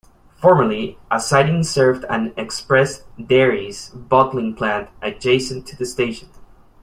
Formerly, a siding served an Express Dairies bottling plant adjacent to the station.